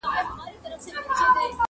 له نیکونو په مېږیانو کي سلطان وو!